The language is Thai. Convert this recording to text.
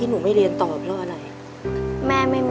ที่ได้เงินเพื่อจะเก็บเงินมาสร้างบ้านให้ดีกว่า